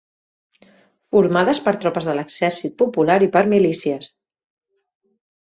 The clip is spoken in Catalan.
Formades per tropes de l'Exèrcit Popular i per milícies